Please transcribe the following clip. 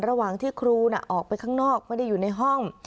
ระหว่างที่ครูออกไปข้างนอกไม่ได้อยู่ในห้อง